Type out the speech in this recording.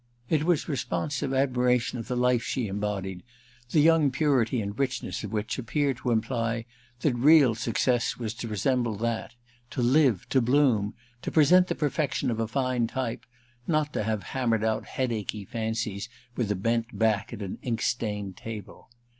It was responsive admiration of the life she embodied, the young purity and richness of which appeared to imply that real success was to resemble that, to live, to bloom, to present the perfection of a fine type, not to have hammered out headachy fancies with a bent back at an ink stained table.